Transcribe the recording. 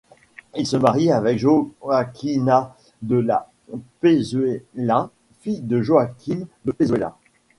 Il se marie avec Joaquina de la Pezuela, fille de Joaquín de la Pezuela.